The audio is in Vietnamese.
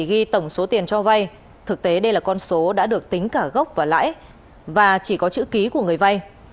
khi tổng số tiền cho vây thực tế đây là con số đã được tính cả gốc và lãi và chỉ có chữ ký của người vây